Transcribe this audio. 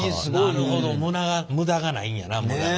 なるほど無駄がないんやな無駄が。